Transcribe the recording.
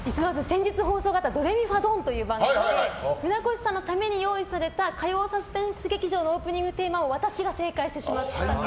先日放送があった「ドレミファドン！」という番組で船越さんのために用意された火曜サスペンス劇場のオープニングテーマを私が正解してしまった。